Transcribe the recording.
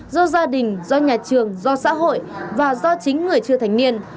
do gia đình do nhà trường do xã hội và do chính người chưa thành niên